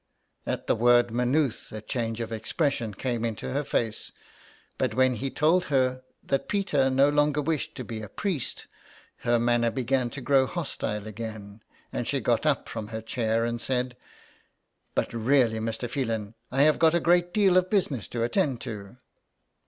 At the word Maynooth a change of expression came into her face, but when he told that Peter no longer wished to be a priest her manner began to grow hostile again, and she got up from her chair and said : 140 THE EXILE. " But really, Mr. Phelan, I have got a great deal of business to attend to."